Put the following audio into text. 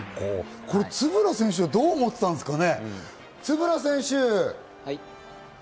円選手はどう思ってたんですかね？